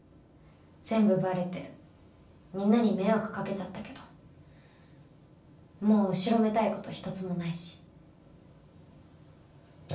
全部バレてみんなに迷惑かけちゃったけどもう後ろめたいことひとつもないしあ